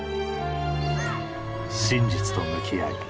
真実と向き合い